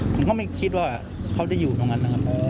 ผมก็ไม่คิดว่าเขาจะอยู่ตรงนั้นนะครับ